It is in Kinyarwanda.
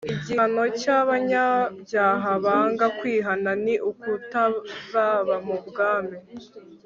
igihano cy'abanyabyaha banga kwihana ni ukutazaba mu bwami